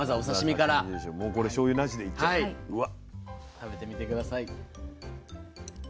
食べてみて下さい。